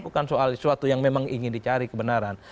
bukan soal sesuatu yang memang ingin dicari kebenaran